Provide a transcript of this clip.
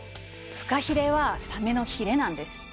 フカヒレはサメのヒレなんです。